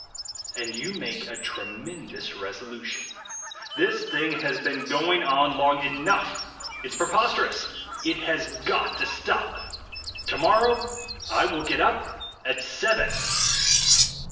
And you make a tremendous resolution. "This thing has been going on long enough. It's preposterous. 34 THE WAY TO WILL POWER It has got to stop. Tomorrow I will get up at seven."